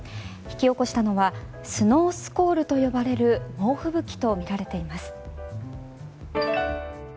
引き起こしたのはスノースコールと呼ばれる猛吹雪とみられています。